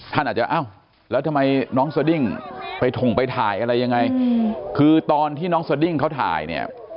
ท่านอาจจะอ้าวแล้วทำไมน้องสดิ้งไปถงไปถ่ายอะไรยังไงคือตอนที่น้องสดิ้งเขาถ่ายเนี่ย